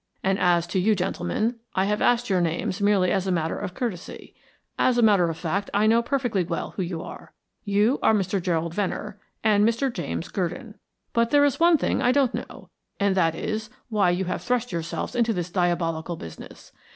"And as to you gentlemen, I have asked your names merely as a matter of courtesy. As a matter of fact I know perfectly well who you are you are Mr. Gerald Venner and Mr. James Gurdon. But there is one thing I don't know, and that is why you have thrust yourself into this diabolical business.